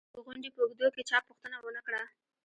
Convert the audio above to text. د غونډې په اوږدو کې چا پوښتنه و نه کړه